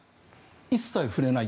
一切触れない。